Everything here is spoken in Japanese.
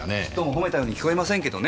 ほめたように聞こえませんけど！